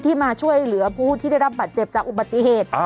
มาช่วยเหลือผู้ที่ได้รับบัตรเจ็บจากอุบัติเหตุ